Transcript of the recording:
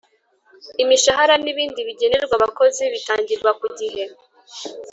imishahara n ibindi bigenerwa abakozi bitangirwa kugihe